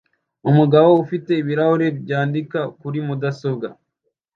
umugabo ufite ibirahuri byandika kuri mudasobwa